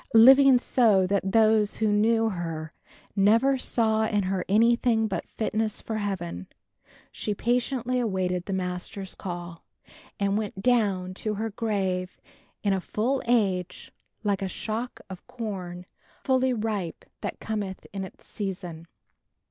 Living so that those who knew her never saw in her anything but fitness for Heaven, she patiently awaited the Master's call and went down to her grave in a full age like a shock of corn fully ripe that cometh in its season."